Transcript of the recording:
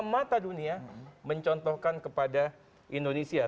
mata dunia mencontohkan kepada indonesia